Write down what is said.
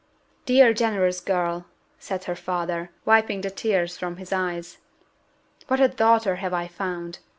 "Dear, generous girl," said her father, wiping the tears from his eyes, "what a daughter have I found!